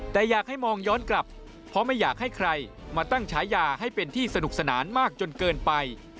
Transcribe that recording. แต่อยากให้มองย้อนกลับเพราะไม่อยากให้ใครมาตั้งฉายาให้เป็นที่สนุกสนานมากจนเกินไป